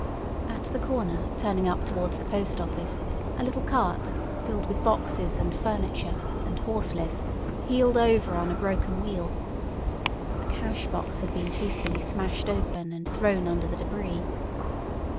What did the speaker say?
At the corner turning up towards the post office a little cart, filled with boxes and furniture, and horseless, heeled over on a broken wheel. A cash box had been hastily smashed open and thrown under the debris.